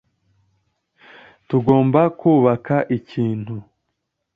Tugomba kubaka ikintu.